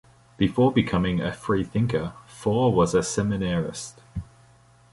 Before becoming a free-thinker, Faure was a seminarist.